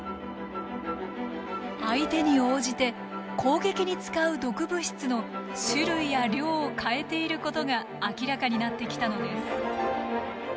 相手に応じて攻撃に使う毒物質の種類や量を変えていることが明らかになってきたのです。